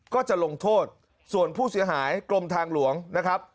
ก็จะลงโทษส่วนผู้เสียหายกรมทางหลวงนะครับ